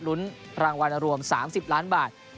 ลุ้นรางวัลรวม๓๐ล้านบาท